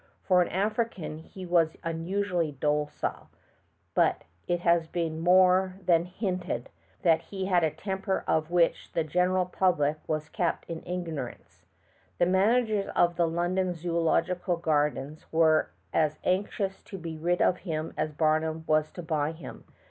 For an African he was unusualH docile, but it has been more than hinted that he had a temper of which the general public was kept in ignorance. The managers of the London Zoological Gar dens were as anxious to be rid of him as Mr. Barnum was to buy him.